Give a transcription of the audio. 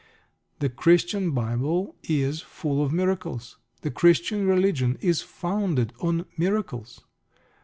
The Christian Bible is full of miracles. The Christian Religion is founded on miracles.